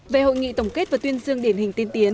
về hội nghị tổng kết và tuyên dương điển hình tiên tiến